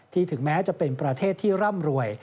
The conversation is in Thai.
ถึงแม้จะเป็นประเทศที่ร่ำรวย